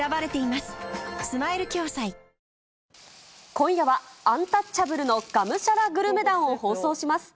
今夜は、アンタッチャブルのがむしゃらグルメ団を放送します。